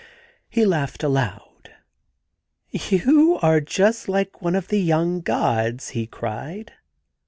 He laughed aloud. * You are just like one of the young gods,' he cried.